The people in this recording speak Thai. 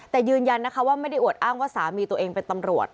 แต่ยืนยันนะคะว่าไม่ได้อวดอ้างว่าสามีตัวเองเป็นตำรวจ